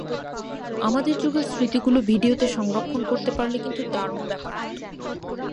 আমাদের যুগের স্মৃতিগুলো ভিডিওতে সংরক্ষণ করতে পারলে কিন্তু দারুণ ব্যাপার হতো।